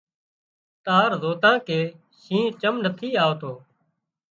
تار زوتان ڪي شينهن چم نٿي آوتو